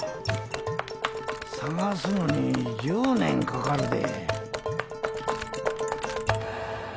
捜すのに１０年かかるで。